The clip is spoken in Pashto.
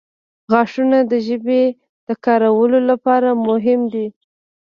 • غاښونه د ژبې د کارولو لپاره مهم دي.